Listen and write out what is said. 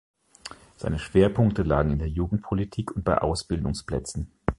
Seine Schwerpunkte lagen in der Jugendpolitik und bei Ausbildungsplätzen.